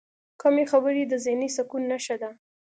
کمې خبرې، د ذهني سکون نښه ده.